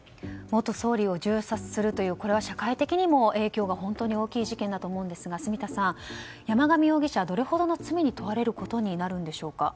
元総理を銃殺するというこれは社会的にも影響が本当に大きい事件だと思いますが住田さん、山上容疑者どれほどの罪に問われることになるんでしょうか。